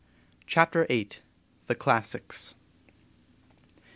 CHAPTER VIII. THE CLASSICS.